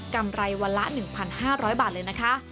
ำไรวันละ๑๕๐๐บาทเลยนะคะ